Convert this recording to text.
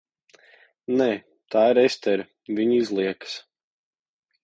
Nē. Tā ir Estere, viņa izliekas.